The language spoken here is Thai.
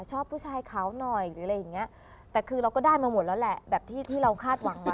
ชอบผู้ชายเขาหน่อยหรืออะไรอย่างเงี้ยแต่คือเราก็ได้มาหมดแล้วแหละแบบที่ที่เราคาดหวังไว้